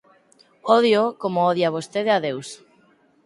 Ódioo como odia vostede a Deus.